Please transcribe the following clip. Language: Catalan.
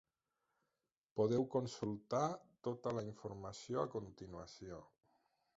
Podeu consultar tota la informació a continuació.